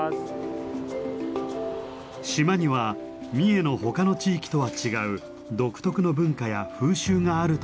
島には三重のほかの地域とは違う独特の文化や風習があるといいます。